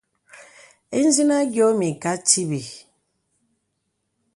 Ìzìnə àyɔ̄ mə ìkà tìbì.